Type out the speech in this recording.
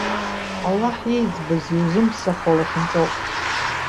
Аллаҳ ииӡбаз иузымԥсахуа лахьынҵоуп.